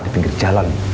di pinggir jalan